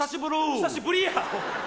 久しぶりやアホ！